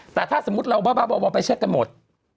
แต่ถ้าสมมุติเราบ้าไปเช็คกันหมด